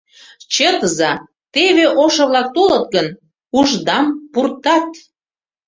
Чытыза, теве ошо-влак толыт гын, ушдам пуртат!»